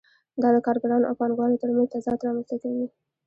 دا د کارګرانو او پانګوالو ترمنځ تضاد رامنځته کوي